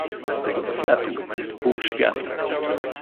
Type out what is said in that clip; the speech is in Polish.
Tego kwiatu jest pół światu.